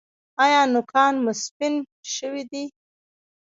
ایا نوکان مو سپین شوي دي؟